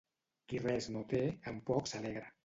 Qui res no té, amb poc s'alegra.